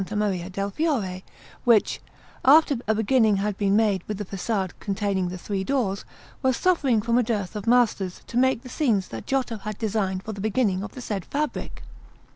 Maria del Fiore, which, after a beginning had been made with the façade containing the three doors, was suffering from a dearth of masters to make the scenes that Giotto had designed for the beginning of the said fabric.